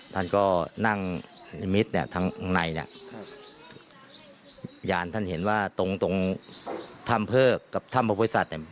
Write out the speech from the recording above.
ท่านก็นั่งในทำงในเนี่ยท่านเห็นว่าตรงตรงทำเพิกกับทำพบุคคสัตว์เนี่ย